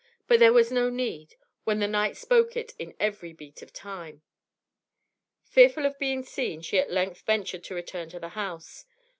But there was no need, when the night spoke it in every beat of time. Fearful of being seen, she at length ventured to return to the house.